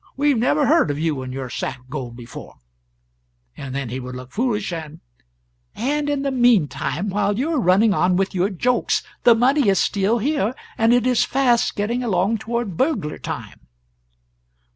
We have never heard of you and your sack of gold before;' and then he would look foolish, and " "And in the meantime, while you are running on with your jokes, the money is still here, and it is fast getting along toward burglar time."